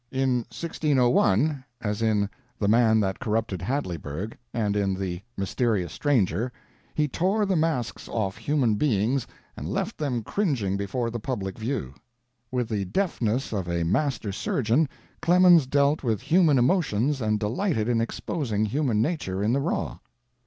In 1601, as in 'The Man That Corrupted Hadleyburg,' and in 'The Mysterious Stranger,' he tore the masks off human beings and left them cringing before the public view. With the deftness of a master surgeon Clemens dealt with human emotions and delighted in exposing human nature in the raw.